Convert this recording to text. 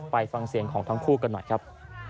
ไปฟังเสียงของทั้งคู่กันหน่อยครับ